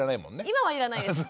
今はいらないです。